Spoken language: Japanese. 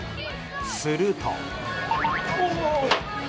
すると。